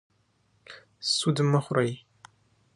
سود مه خورئ